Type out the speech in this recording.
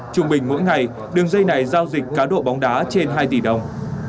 trung bình mỗi ngày đường dây này giao dịch cá độ bóng đá trên hai tỷ đồng